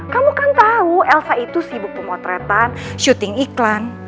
kamu kan tahu elsa itu sibuk pemotretan syuting iklan